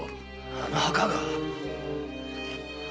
あの墓が？